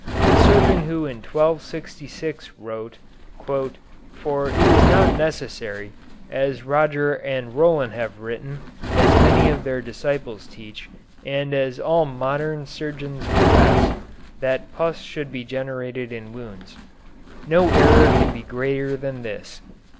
The surgeon who in 1266 wrote: "For it is not necessary, as Roger and Roland have written, as many of their disciples teach, and as all modern surgeons profess, that pus should be generated in wounds. No error can be greater than this.